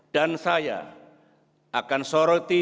dan saya akan soroti tiga perintah